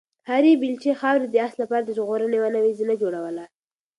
هرې بیلچې خاورې د آس لپاره د ژغورنې یوه نوې زینه جوړوله.